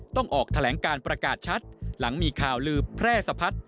ต้องออกแถลงการประกาศชัดหลังมีข่าวลือแพร่สะพัด